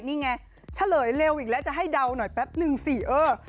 นี่ไงเฉลยเร็วอีกแล้วจะให้เดาหน่อยแป๊บนึงสิเออ